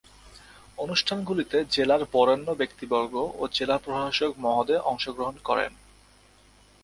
অনুষ্ঠানগুলিতে জেলার বরেণ্য ব্যক্তিবর্গ ও জেলা প্রশাসক মহোদয় অংশ গ্রহণ করেন।